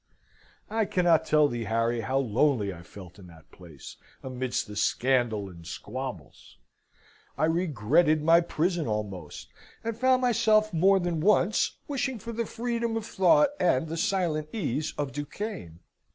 I cannot tell thee, Harry, how lonely I felt in that place, amidst the scandal and squabbles: I regretted my prison almost, and found myself more than once wishing for the freedom of thought, and the silent ease of Duquesne.